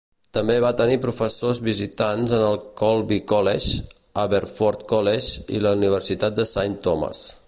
També va tenir professors visitants en el Colby College, Haverford College i la Universitat de Saint Thomas.